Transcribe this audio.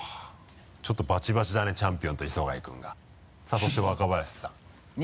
ちょっとバチバチだねチャンピオンと磯貝君が。さぁそして若林さん。